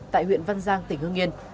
tại huyện văn giang tỉnh hương yên